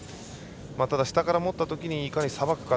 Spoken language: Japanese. ただ、下から持ったときにいかにさばくか。